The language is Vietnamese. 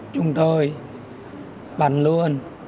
chúng tôi bắn luôn